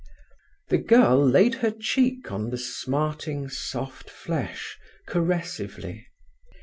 The girl laid her cheek on the smarting soft flesh caressively.